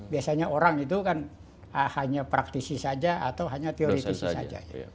biasanya orang itu kan hanya praktisi saja atau hanya teoritisi saja